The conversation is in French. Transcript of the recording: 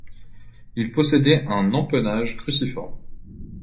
Il possédait un empennage cruciforme.